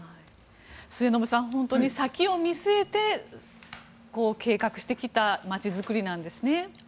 末延さん先を見据えて計画してきた街づくりなんですね。